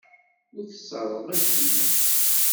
Ur tesserɣeḍ acemma.